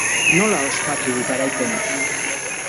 Nola ospatu du garaipena?